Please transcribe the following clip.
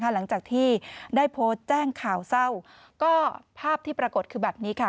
หลังจากที่ได้โพสต์แจ้งข่าวเศร้าก็ภาพที่ปรากฏคือแบบนี้ค่ะ